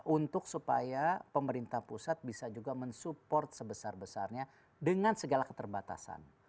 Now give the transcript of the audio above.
untuk supaya pemerintah pusat bisa juga mensupport sebesar besarnya dengan segala keterbatasan